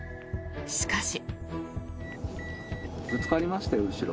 しかし。